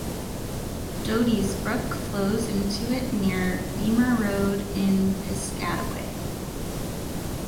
Doty's Brook flows into it near Behmer Road in Piscataway.